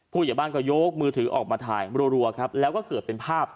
ผู้เหยียบบ้านก็ยกมือถือออกมาถ่ายรัวแล้วก็เกิดเป็นภาพ